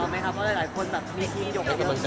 มอบความคุ้นแปะครับไอ้นะคะพอร่ะคนแบบมีที่ว่า